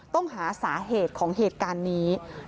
ต้องหาสาเหตุของเหตุการณ์นี้